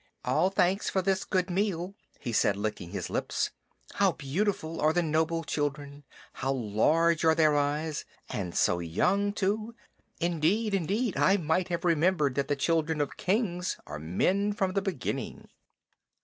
"All thanks for this good meal," he said, licking his lips. "How beautiful are the noble children! How large are their eyes! And so young too! Indeed, indeed, I might have remembered that the children of kings are men from the beginning."